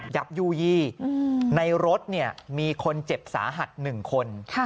ยับยู่ยี่ในรถเนี่ยมีคนเจ็บสาหัสหนึ่งคนค่ะ